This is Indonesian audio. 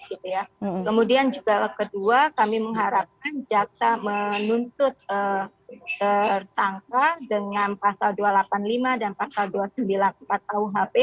kemudian juga kedua kami mengharapkan jaksa menuntut tersangka dengan pasal dua ratus delapan puluh lima dan pasal dua ratus sembilan puluh empat kuhp